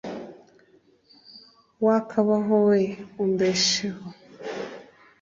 wokabaho we umbesheho